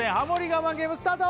我慢ゲームスタート